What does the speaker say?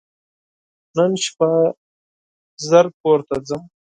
نن شپه ژر کور ته ځم !